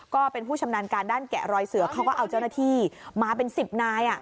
ก็เป็นผู้ชำนาญการด้านแกะรอยเสือเขาก็เอาเจ้าหน้าที่มาเป็น๑๐นาย